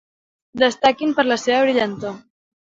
Destaquin per la seva brillantor.